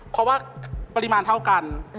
เพราะว่าปริมาณเท่ากัน